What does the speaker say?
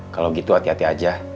kalau gitu hati hati aja